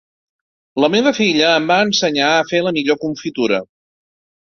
La meva filla em va ensenyar a fer la millor confitura.